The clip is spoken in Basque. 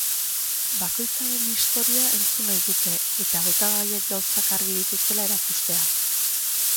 Bakoitzaren historia entzun nahi dute, eta hautagaiek gauzak argi dituztela erakustea.